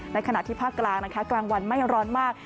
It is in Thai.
ในขณะที่ภาคกลางวันไม่ร้อนมาก